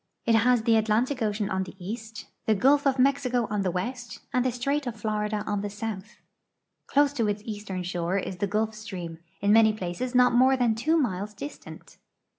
It has the Atlantic ocean on the east, the gulf of iMexico on the west, and the strait of Florida on the south. Close to its eastern shore is the Gulf stream, in many ])laces not more than two miles distant.